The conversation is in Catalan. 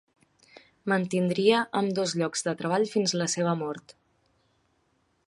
Mantindria ambdós llocs de treball fins a la seva mort.